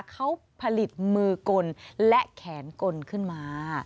เขาผลิตมือกลและแขนกลขึ้นมา